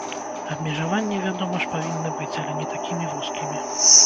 Абмежаванні, вядома ж, павінны быць, але не такімі вузкімі.